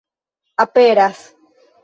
aperas